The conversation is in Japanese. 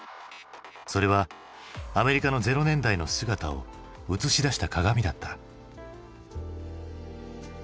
それはアメリカのゼロ年代の姿を映し出した鏡だった。